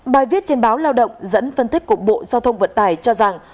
bài viết trên báo lao động dẫn phân tích của bộ giao thông vận tải cho rằng